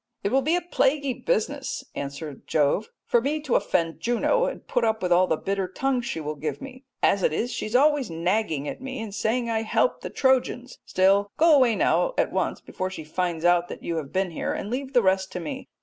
"It will be a plaguy business," answers Jove, "for me to offend Juno and put up with all the bitter tongue she will give me. As it is, she is always nagging at me and saying I help the Trojans, still, go away now at once before she finds out that you have been here, and leave the rest to me.